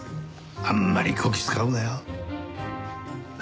あんまりこき使うなよ。